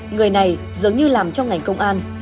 người này dường như làm trong ngành công an